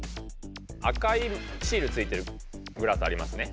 赤いシールついてるグラスありますね。